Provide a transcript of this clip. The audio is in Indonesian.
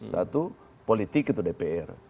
satu politik itu dpr